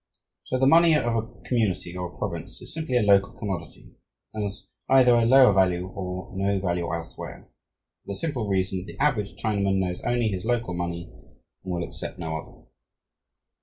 So the money of a community or a province is simply a local commodity and has either a lower value or no value elsewhere, for the simple reason that the average Chinaman knows only his local money and will accept no other.